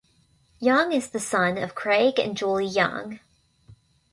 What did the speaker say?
Young is the son of Craig and Julie Young.